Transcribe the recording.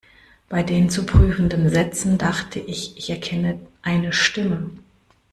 Bei den zu prüfenden Sätzen dachte ich, ich erkenne eine Stimme.